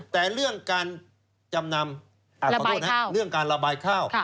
แต่เรื่องการละบายข้าว